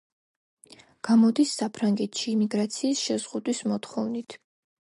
გამოდის საფრანგეთში იმიგრაციის შეზღუდვის მოთხოვნით.